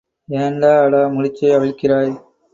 ஏன் அடா முடிச்சை அவிழ்க்கிறாய்?